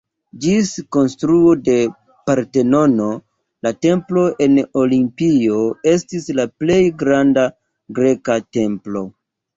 Ĝis konstruo de Partenono la templo en Olimpio estis la plej granda greka templo.